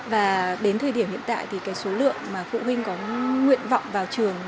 và đến thời điểm hiện tại thì cái số lượng mà phụ huynh có nguyện vọng vào trường